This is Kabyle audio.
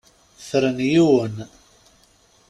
Fren yiwen.